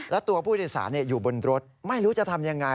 แล้วตัวผู้โดยสารอยู่บนรถไม่รู้จะทำยังไง